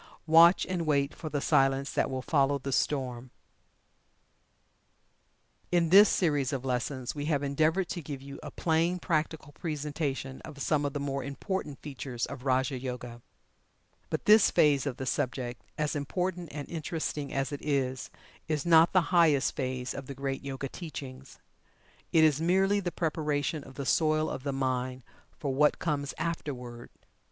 "Watch and wait for the Silence that will follow the Storm." In this series of lessons we have endeavored to give you a plain, practical presentation of some of the more important features of "Raja Yoga." But this phase of the subject, as important and interesting as it is, is not the highest phase of the great Yoga teachings. It is merely the preparation of the soil of the mind for what comes afterward.